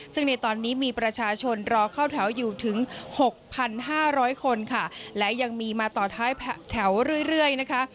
ซึ่งในตอนนี้มีประชาชนรอเข้าแถวอยู่ถึง๖๕๐๐คนค่ะและยังมีมาต่อท้ายแถวเรื่อยนะคะ